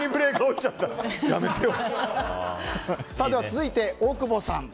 続いて、大久保さん。